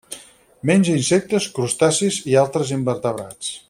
Menja insectes, crustacis i altres invertebrats.